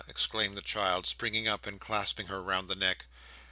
exclaimed the child, springing up, and clasping her round the neck.